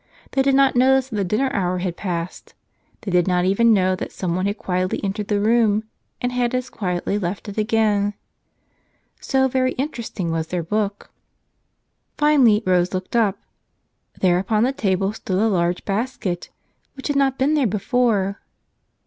They did not notice that the dinner hour had passed. They did not even know that someone had quietly entered the room and had as quietly left it again. So very interesting was their book. Finally Rose looked up. There, upon the table stood a large basket which had not been there before.